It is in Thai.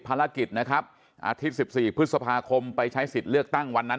ภารกิจนะครับอาทิตย์๑๔พฤษภาคมไปใช้สิทธิ์เลือกตั้งวันนั้น